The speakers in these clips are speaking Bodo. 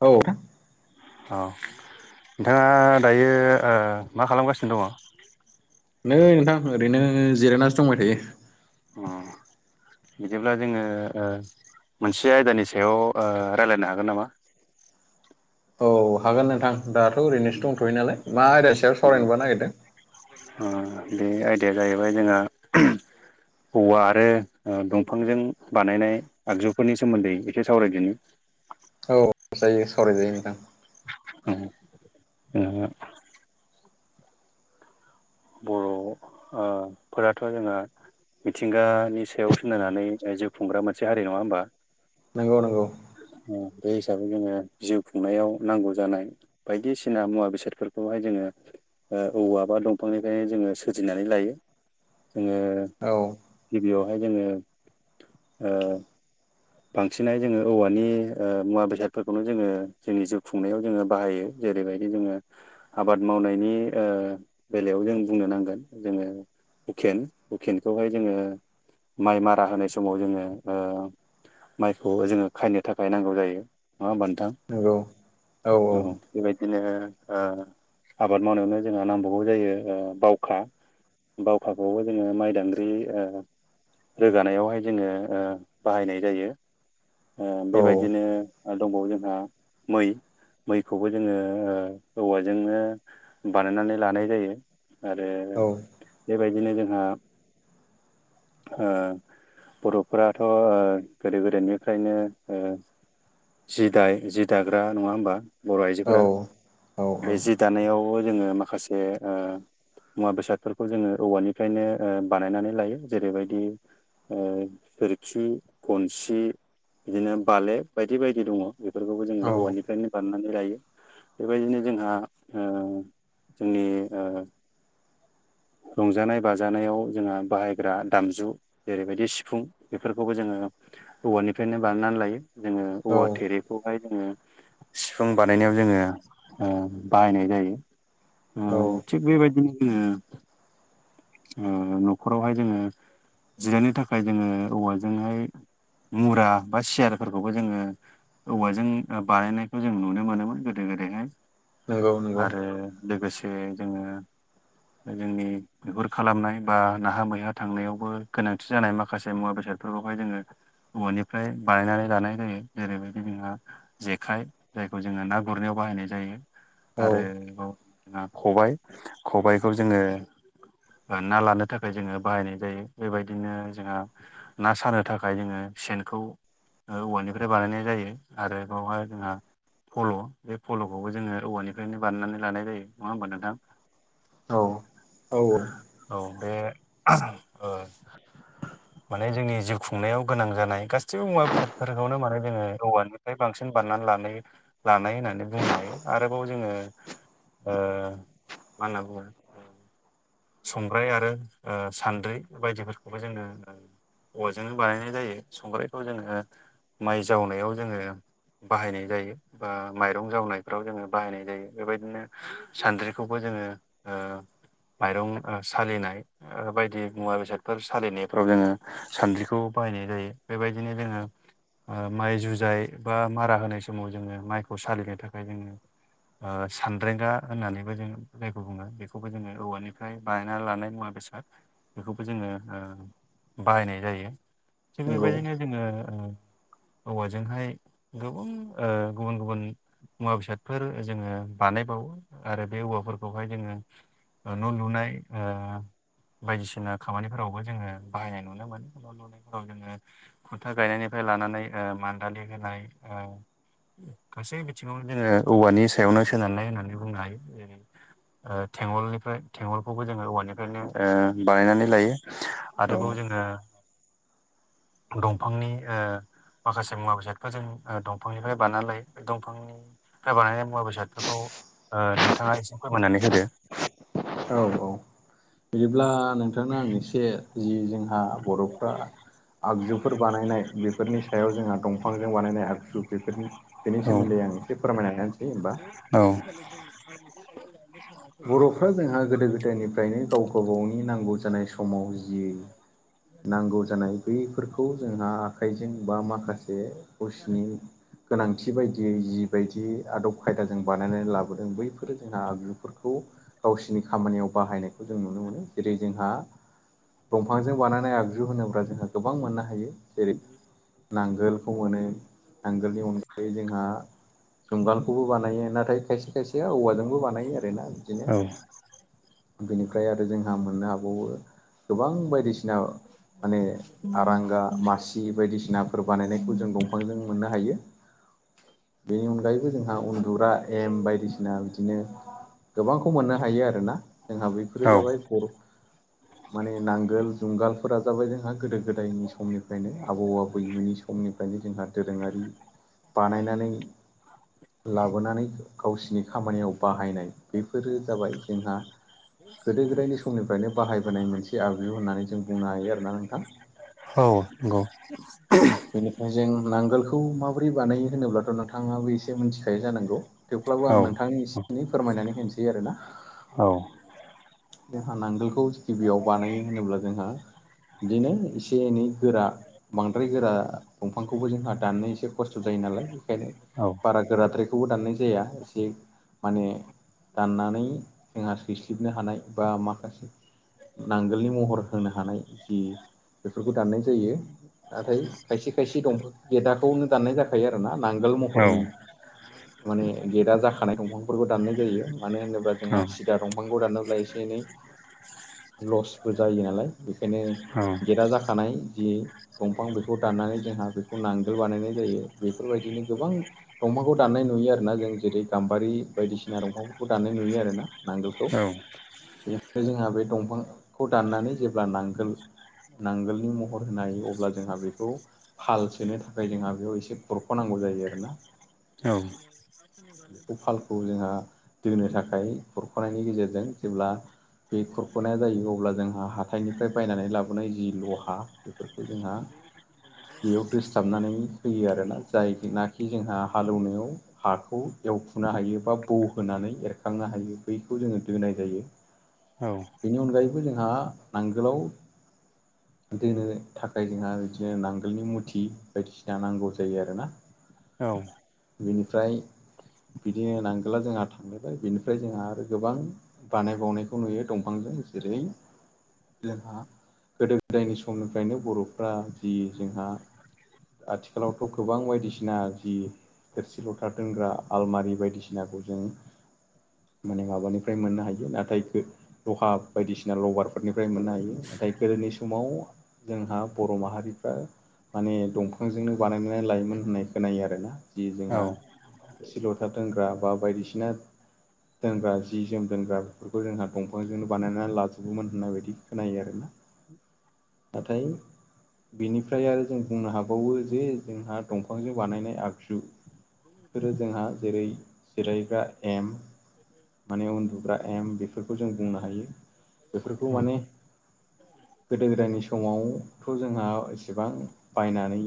औ औ नोंथाङा दायो मा खालामगासिनो दङ नै नोंथां ओरैनो जिरायनासो दंबाय थायो। ओम बिदिब्ला जोङो ओ मोनसे आयदानि सायाव ओ रायज्लायनो हागोन नामा? औ हागोन नोंथां दाथ' ओरैनोसो दंथ'यो नालाय मा आयदा सायाव सावरायनोबा नागिरदों ओम बे आयदाया जाहैबाय जोंहा औवा आरो दंफांजों बानायनाय आगजुफोरनि सोमोन्दै एसे सावरायदोनि। औ जायो सावरायजायो नोंथां। अ [unintelligible] बर' ओ फोराथ' जोङो मिथिंगानि सायाव सोनानानै जिउ खुंग्रा मोनसे हारि नङा होमबा नंगौ नंगौ बे हिसाबै जोङो जिउ खुंनायाव नांगौ जानाय बायदिसिना मुवा बेसादफोरखौहाय जोङो औवा बा दंफांनिफ्रायायनो जोङो सोरजिनानै लायो जोङो औ गिबियावहाय जोङो ओ बांसिनहाय जोङो औवानि ओ मुवा बेसादफोरखौनो जोङो जोंनि जिउ खुंनायाव जोङो बाहायो। जेरैबायदि जोङो आबाद मावनायनि ओ बेलायाव जों बुंनो नांगोन जोङो हुखेन हुखेनखौहाय जोङो माइ मारा होनाय समाव जोङो ओ माइखौ जोङो खायनो थाखाय नांगौ जायो नङा होनबा नंगौ। नोंथां औ। बेबायदिनो ओ आबाद मावनायावनो जोंहा नांबावगौ जायो ओ बावखा। बावखाखौबो जोङो माइदांग्रि ओ रोगानायावहाय जोङो ओ बाहायनाय जायो। ओ औ बेबायदिनो ओ दंबावो जोंहा मै। मैखौबो जोङो ओ औवाजोंनो बानायनानै लानाय जायो। आरो औ बेबायदिनो जोंहा ओ बर'फोराथ' ओ गोदो गोदायनिफ्रायनो ओ जि दाय जि दाग्रा नङा होमबा। बर' आइजोफोरा औ औ बे जि दानायावबो जोङो माखासे ओ मुवा बेसादफोरखौ जोङो औवानिफ्रायनो ओ बानायनानै लायो जेरैबायदि ओ गोरखि गनसि बिदिनो बालेब बायदि बायदि दङ' बेफोरखौबो जोङो औ औवानि फ्रायनो बानायनानै लायो। बेबायदिनो जोंहा ओ जोंनि ओ रंजानाय बाजानायाव जोंहा बाहायग्रा दामजु जेरैबायदि सिफुं बेफोरखौबो जोङो औवानिफ्रायनो बानायनानै लायो जोङो औ औवा थेरिब खौहाय जोङो सिफुं बानायनायाव जोङो ओ बाहायनाय जायो। ओ औ थिग बेबायदिनो जोङो ओ न'खरावहाय जोङो जिरायनो थाखाय जोङो औवाजोंहाय मुरा बा सियारफोरखौबो जोङो औवाजों ओ बानायनायखौ जों नुनो मोनोमोन गोदो गोदायहाय। नंगौ नंगौ आरो लोगोसे जोङो जोंनि मैहुर खालामनाय बा नाहा मैहा थांनायावबो गोनांथि जानाय माखासे मुवा बेसादफोरखौहाय जोङो औवानिफ्राय बानायनानै लानाय जायो जेरैबायदि जोंहा जेखाइ जायखौ जोङो ना गुरनायाव बाहायनाय जायो। औ आरोबाव जोंहा खबाय खबायखौ जोङो ओ ना लानो थाखाय जोङो बाहायनाय जायो। बेबायदिनो जोंहा ना सानो थाखाय जोंनो सेनखौ ओ औवानिफ्राय बानायनाय जायो आरो बेवहाय जोंहा फल' बे फल'खौबो जोङो औवानिफ्रायनो बानायनानै लानाय जायो नङा होमबा नोंथां। औ औ औ। औ बे ओ माने जोंनि जिउ खुंनायाव गोनां जानाय गासैबो मुवा बेसादफोरखौनो माने जोङो औवानि फ्राय बांसिन बानायनानै लानाय लानाय होननानै बुंनो हायो आरोबाव जोङो ओ मा होनना बुंङो। संग्राय आरो ओ सान्द्रि बायदिफोरखौबो जोङो औवा जोंनो बानायनाय जायो संग्रायखौ जोङो माइ जावनायाव जोंङो। बाहायनाय जायो। बा माइरं जावनायफ्राव जोङो बाहायनाय जायो बेबायदिनो सान्द्रिखौबो जोंङो - ओ माइरं सालिनाय बायदि मुवा बेसादफोर सालिनाय फोराव जोङो सानद्रिखौ बाहायनाय जायो। बेबायदिनो जोङो ओ माइ जुजाय बा मारा होनाय समाव जोङो माइखौ सालिनो थाखाय जोङो ओ सानद्रेंगा होननानैबो जोङो जायखौ बुङो बेखौबो जोङो औवानिफ्राय बानायना लानाय मुवा बेसाद बेखौबो जोङो ओ बाहायनाय जायो। थिग नंगौ बेबायदिनो जोङो ओ औवाजोंहाय गोबां ओ गुबुन गुबुन मुवा बेसादफोर जोङो बानायबावो आरो बे औवाफोरखौहाय जोङो न' लुनाय ओ बायदिसिना खामानिफोरावबो जोंङो बाहायनाय नुनो मोनो बा लुनायफोराव जोंङो खुन्था गायनायनिफ्राय लानानै मान्दालि होनाय। गासै बिथिङाव जोङो औवानि सायावनो सोनारलाय होननानै बुंनो हायो जेरै - ओ थेंगलनिफ्राय थेंगलखौबो जोंङो औवानिफ्रायनो बानायनानै लायो। औ आरोबाव जोङो दंफांनि ओ माखासे मुवा बेसादफोरजों दंफांनिफ्राय बानायना लायो, बे दंफांनि बानायनाय मुवा बेसादफोरखौ ओ नोंथाङा एसे फोरमाननानै होदो औ औ बिदिब्ला नोंथांनो आं एसे जि जोंहा बर'फ्रा आगजुफोर बानायनाय बेफोरनि सायाव जोंहा दंफांजों बानायनाय आगजु बेफोरनि बेनि औ सोमोन्दै आं एसे फोरमायनानै होनानोसै होमबा औ [unintelligible] बर'फ्रा जोंहा गोदो गोदायनिफ्रायनो गाव गावबा गावनि नांगौ जानाय समाव जि नांगौ जानाय बैफोरखौ जोंहा आखाइजों बा माखासे गावसनि गोनांथि बायदियै जिबायदि आदब खायदाजों बानाय नानै लाबोदों बैफोर जोंहा आगजुफोरखौ खौ गावसिोरनि खामानियाव बाहायनायखौ जों नुनो मोनो जेरै जोंहा दंफांजों बानायनाय आगजु होनोब्ला जोंहा गोबां मोननो हायो जेरै नांगोल खौ मोनो नांगोलनि अनगायै जोंहा जुंगालखौबो बानायो नाथाय खायसे खायसे औवाजोंबो बानायो आरोना बिदिनो बेनिफ्राय आरो जोंहा मोननो हाबावो गोबां बायदिसिना माने आरांगा मासि बायदिसिनाफोर बानायनायखौ जों दंफांजों मोननो हायो। बेनि अनगायैबो जोंहा उन्दग्रा एम बायदिसिना बिदिनो गोबांखौ मोननो हायो आरोना जोंहा बैफोरो औ जाबाय बर' माने नांगोल जुंगालफोरा जाबाय जोंहा गोदो गोदायनि समनिफ्रायनो आबौ आबैमोननि सम - समनिफ्रायनो जोंहा दोरोङारि बानायनानै लाबोनानै गावसिनि खामानियाव बाहायनाय बेफोरो जाबाय जोंहा गोदो गोदायनि समनिफ्रायनो बाहायबोनाय मोनसे आगजु होननानै जों बुंनो हायो आरोना नोंथां। औ नंगौ बेनिफ्राय जों नांगोलखौ माबोरै बानायो होनोब्लाथ' नोंथाङाबो एसे मिथिखायो जानांगौ? थेवब्लाबो औ आं नोंथांनि एसे एनै फोरमायनानै होनोसै आरो ना औ जोंहा नांगोलखौ गिबियाव बानायो होनोब्ला जोंहा बिदिनो एसे एनै गोरा बांद्राय गोरा दंफांखौबो जोंहा दाननो एसे खस्थ' जायो नालाय बेखायनो औ बारा गोराद्रायखौबो दाननाय जाया एसे माने दाननानै जोंहा सैसलिबनो हानाय बा माखासे नांगोलनि महर होनो हानाय जि बेफोरखौ दाननाय जायो। नाथाय खायसे खायसे दंफां गेदाखौनो दाननाय जाखायो आरो ना नांगोल औ महरनि माने गेटआ जाखानाय दंफांफोरखौ दाननाय जायो मानो होनोब्ला जोंहा जा दंफांखौ दानोब्ला एसे एनै [unintelligible] लसबो जायो नालाय बेखायनो गेटआ जाखानाय जि दंफां बेखौ दाननानै जोंहा बेखौ नांगोल बानायनाय जायो बेफोरबायदिनो गोबां दंफांखौ दाननाय नुयो आरोना जों जेरै गाम्बारि बायदिसिना दंफांफोरखौ दाननाय नुयो आरोना नांगोलखौ औ बेनि जोंहा बे दंफांखौ दाननानै जेब्ला नांगोल नांगोलनि महर होनो हायो अब्ला जोंहा बेखौ फाल सोनो थाखाय जोंहा बेयाव एसे बररख'नांगौ जायो आरो ना। औ उफालखौ जोंहा दोनो थाखाय हुरख'नायनि गेजेरजों जेब्ला बे खुरख'नाया जायो अब्ला जोंहा हााइनिफ्राय बायनानै लाबोनाय जि लहा बेफोरखौ जोंहा बेयाव दोसथाबनानै होयो आरोना जाय नाखि जोंहा हालौनायाव हाखौ एवखुनो हायो बा बौ होनानै एरखांनो हायो बैखौ जोङो दोनाय बेनि अनगायैबो जोंहा नांगोलाव दोनो थाखाय जोंहा बिदिनो नांगोलनि मुथि बायदिसिना नांगौ जायो आरो ना। औ बिनिफ्राय बिदिनो नांगोलला जोंहा थांलायबाय बिनिफ्राय जोंहा आरो गोबां बानाय बावनायखौ नुयो दंफांजों जेरै जोंहा गोदो गोदायनि समनिफ्रायनो बरफ्रा जि जोंहा आथिखालावथ' गोबां बायदिसिना जि थोरसि लथा दोंग्रा आलमारि बायदिसिनाखौ जों माने माबानिफ्राय मोननो हायो। हायो नाथाय लहा बायदिसिना लभारफोरनिफ्राय मोननो हायो नाथाय गोदोनि समाव जोंहा बर' माहारिफ्रा माने दंफांजोंनो बानायनानै लायोमोन होननाय खोनायो आरो ना। जि जोंहा सि लथा दोनग्रा बा बायदिसिना दोनग्रा जि-जोम लोंग्रा बेफोरखौ जोंहा दंफांजोंनो बानायनानै लाजोबोमोन होननाय बायदि खोनायो आरोना नाथाय बेनिफ्राय आरो जों बुंनो हाबावो जे जोंहा दंफांजों बानायनाय आगजु बेफोरो जोंहा जेरै जिरायग्रा एम माने उन्दु बे एम बेफोरखौ जों बुंनो हायो बेफोरखौ माने गोदो गोदायनि समावथ' जोंहा एसेबां बायनानै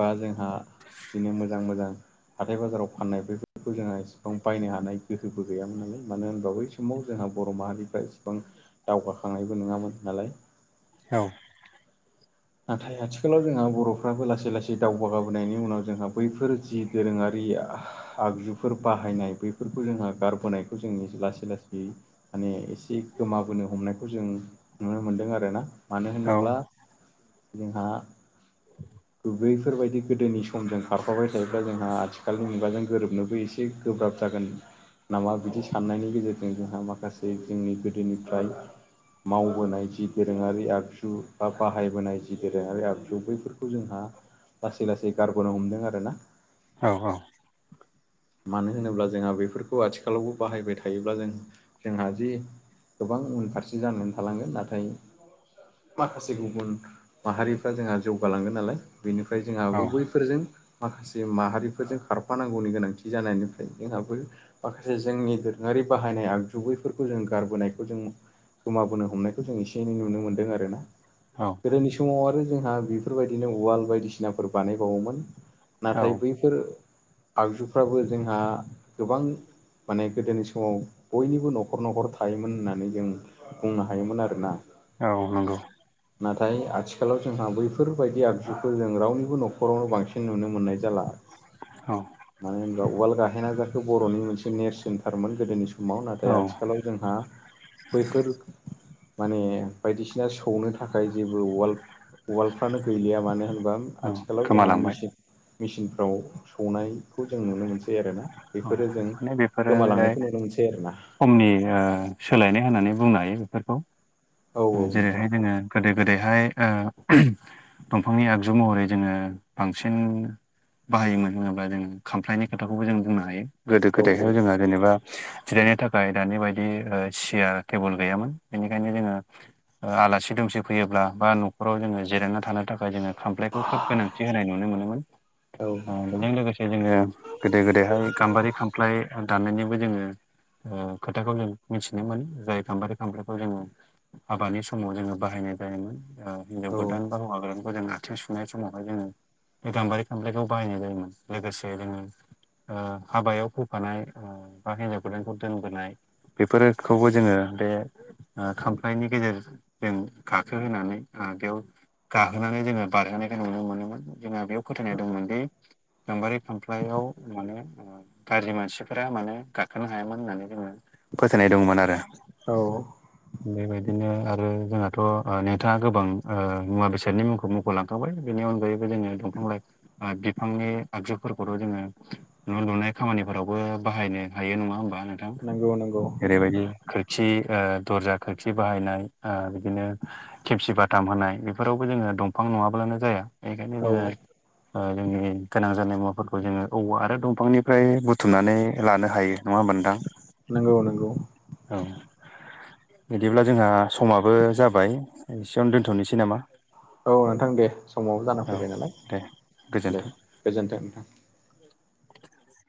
बा जोंहा बिदिनो मोजां मोजां हाथाय बाजाराव फाननाय बेफोरखौ जोंहा एसेबां बायनो हानाय गोहोबो गैयामोन नालाय मानो होनो बै समाव जोंहा बर' माहारिफ्रा एसेबां दावगाखांनायबो नङामोन नालाय औ नाथाय आथिखालाव जोंहा बर'फ्राबो लासै लासै जि दावबायाबोनायनि उनाव जोंहा बैफोर जि दोरोङारिया आगजुफोर बाहायनाय बैफोरखौ जोंहा गारबोनायखौ जोंनि लासै लासै माने एसे गोमाबोनो हमनायखौ जों नुनो मोन्दों आरो ना मानो औ होनोब्ला जोंहा बैफोरबायदि गोदोनि समजों खारफाबाय थायोब्ला जोंहा आथिखालनि मुगाजों गोरोबनोबो एसे गोब्राब जागोन। नामा बिदि साननायनि गेजेरजों जोंहा माखासे जोंनि गोदोनिफ्राय मावबोनाय जि दोरोङारि आगजु बा बाहायबोनाय जि दोरोङारि आगजु बैफोरखौ जोंहा लासै लासै गारबोनो हमदों आरो ना। मानो होनोब्ला जोंहा बेफोरखौ आथिखालावबो बाहायबाय थायोब्ला जों जोंहा जि गोबां उनफारसे जानानै थालांगोन नाथाय माखासे गुबुन माहारिफ्रा जोंहा जौगालांगोन नालाय बेनिफ्राय जोंहाबो बैफोरजों माखासे माहारिफोरजों खारफानांगौनि गोनांथि जानायनिफ्राय जोंहाबो माखासे जोंनि दोरोङारि बाहायनाय आगजुुबैफोरखौ जों गारबोनायखौ जों गोमाबोनो हमनायखौ जों एसे एनै नुनो मोन्दों आरो ना। अ गोदोनि समाव आरो जोंहा बेफोरबायदिनो उाल बायदिसिनाफोर बानायबावोमोन नाथाय औ बैफोर बेफोर आगजुफ्राबो जोंहा गोबां माने गोदोनि समाव बयनिबो न'खर न'खर थायोमोन होननानै जों बुंनो हायोमोन आरोना। औ नंगौ नाथाय आथि आथिखालाव जोंहा बैफोरबायदि आगजुखौ जों रावनिबो न'खरावनो बांसिन नुनो मोननाय जाला औ मानो होनबा वाल्ड गाहेना जाखो बर'नि मोनसे नेट सेन्थारमोन गोदोनि समाव औ नाथाय आथिखाल आथिखालाव जोंहा बैफोर माने बायदिसिना सौनो थाखाय जेबो वाल्ड वाल्डफ्रानो गैलिया मानो होनबा आथिखालाव जोंहा गोमालांबाय मेसिन मेचनफ्राव सौनायखौ जों नुनो मोनसै आरो ना औ बेफोरो जों माने बेफोरो गोमालांनायखौ नुनो मोनसै आरो ना समनि ओ सोलायनाय होननानै बुंनो हायो बेफोरखौ। औ औ नोंथां जेरैहाय जोङो गोदो गोदायहाय दंफांनि आगजु महरै जोङो बांसिन बाहायोमोन होनोब्ला जोङो खामफ्लायनि खोथाखौबो जों बुंनो हायो गोदो औ गोदायहायाव जोङो जेनेबा जिरायनो थाखाय दानि बायदि सियार टेबोल गैयामोन बेनिखायनो जोङो ओ आलासि दुमसि फैयोब्ला बा न'खराव जोङो जिरायना थानो थाखाय थाखाय जोङो खामफ्लायखौ खोब गोनांथि होनाय नुनो मोनोमोन औ बेजों लोगोसे जोङो गोदो गोदायहाय गाम्बारि खामफ्लाय दाननायनिबो जोङो ओ खोथाखौ जों मिथिनो मोनो जाय गाम्बारि खाम्फलाइखौ जोङो हाबानि समाव जोङो बाहायनाय जायोमोन ओ हिनजाव औ गोदान ब आगोरानखौ जों आथिं सुनाय समावाय जोङो बे गाम्बारि फिफांखौ बाहायनाय जायोमोन लोगोसे जोङो ओ हाबायाव फैफानाय बा हिन्जाव गोदानखौ दोनबोनाय बेफोरखौबो जोङो बे खामफ्लायनि गेजेरजों जों गाखो होनानै आ बेयाव गाखोनानै जोङो बारहोनायखौ नुनो मोनोमोन जोंहा बेयाव फोथायनाय दंमोनदि गामबारि फामफ्लायाव गाज्रि मानसिफोरा माने गाखोनो हायामोन होननानै जोङो फोथायनाय दंमोन आरो औ बेबायदिनो आरो जोंहाथ' नोंथाङा गोबां ओ मुवा बेसादनि मुंखौ मुं गलाब खाबाय बेनि अनगायैबो जोङो दंफां लाइफां बिफांनि आगजुफोरखौथ' जोङो न' लुनाय खामानिफोरावबो बाहायनो हायो नङा होमबा नोंथां नंगौ नंगौ ओरैबायदि खोरखि ओ दर्जा खोरखि बाहायनाय ओ बिदिनो खेबसि बाथाम होनाय बेफोरावबो जोङो दंफां नङाब्लानो जाया बेखायनो औ जोङो जोंनि गोनां जानाय मुवाफोरखौ जोङो औव आरो दंफांनिफ्राय बुथुमनानै लानो हायो नङा होमबा नोंथां नंगौ नंगौ औ बिदिब्ला जोंहा समाबो जाबाय एसेयावनो दोनथ'नोसै नामा औ नोंथां दे समावबो जानानै औ फैबाय नालाय दे दे गोजोन्थों गोजोनथों नोंथां [inaudible]